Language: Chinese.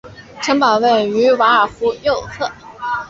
城堡位于卢瓦尔河右岸。